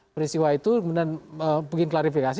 peristiwa itu kemudian bikin klarifikasi